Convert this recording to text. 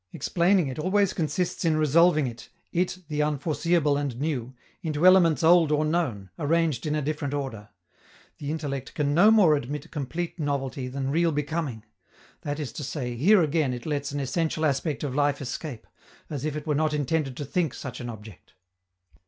Explaining it always consists in resolving it, it the unforeseeable and new, into elements old or known, arranged in a different order. The intellect can no more admit complete novelty than real becoming; that is to say, here again it lets an essential aspect of life escape, as if it were not intended to think such an object.